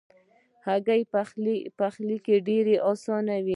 هګۍ پخلی ډېر آسانه دی.